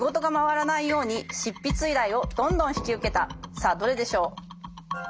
さあどれでしょう？